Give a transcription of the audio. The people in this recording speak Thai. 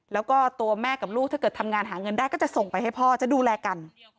แล้วก็ตัวแม่กับลูกถ้าเกิดทำงานหาเงินได้ก็จะส่งไปให้พ่อจะดูแลกัน